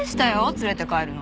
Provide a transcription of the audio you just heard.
連れて帰るの。